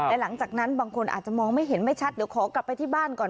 และหลังจากนั้นบางคนอาจจะมองไม่เห็นไม่ชัดเดี๋ยวขอกลับไปที่บ้านก่อน